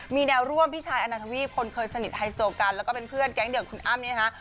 มีแนวร่วมพี่ชัยร์อนาทวีฟคนเคยสนิทไฮโซกัญและเป็นเพื่อนแก๊งเดี่ยวของคุณอ้ำ